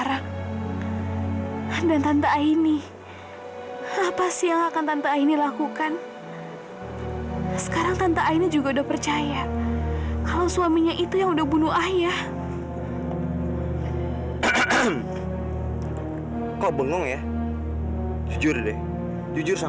apa aku harus berdoa